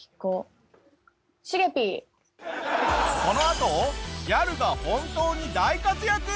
このあとギャルが本当に大活躍！